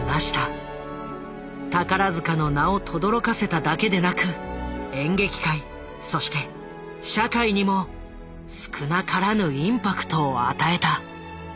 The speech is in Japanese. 宝塚の名をとどろかせただけでなく演劇界そして社会にも少なからぬインパクトを与えた。